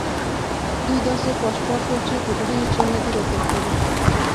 دوی داسې پاش پاش شول چې کودړي یې چا نه دي راټول کړي.